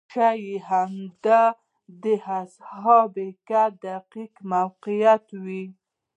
ښایي همدا د اصحاب کهف دقیق موقعیت وي.